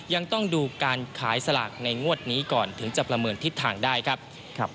ยังต้องดูการขายสลากในงวดนี้ก่อนถึงจะประเมินทิศทางได้ครับ